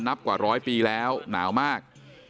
นับกว่าร้อยปีแล้วหนาวมาก